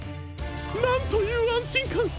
なんというあんしんかん！